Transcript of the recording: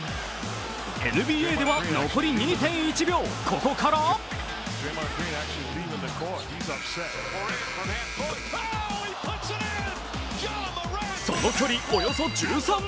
ＮＢＡでは残り２．１秒、ここからその距離およそ１３ｍ。